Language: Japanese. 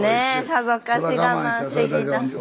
さぞかし我慢してきた。